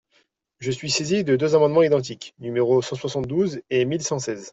Je suis saisi de deux amendements identiques, numéros cent soixante-douze et mille cent seize.